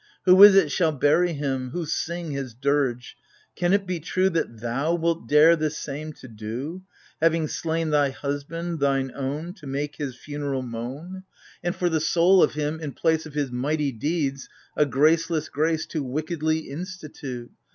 Who is it shall bury him, who Sing his dirge ? Can it be true That thou wilt dare this same to do — Having slain thy husband, thine own, To make his funeral moan : AGAMEMNON. 135 And for the soul of him, in place Of his mighty deeds, a graceless grace To wickedly institute